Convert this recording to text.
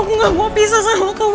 aku gak mau pisah sama kamu